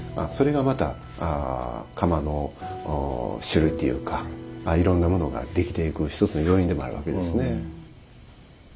それがまた釜の種類っていうかいろんなものができていく一つの要因でもあるわけですね。